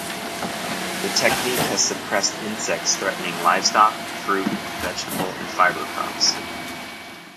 The technique has suppressed insects threatening livestock, fruit, vegetable, and fiber crops.